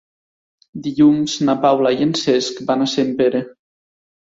Dilluns na Paula i en Cesc van a Sempere.